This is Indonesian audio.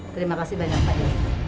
terima kasih banyak pak